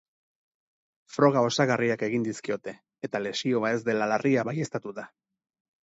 Froga osagarriak egin dizkiote, eta lesioa ez dela larria baieztatu da.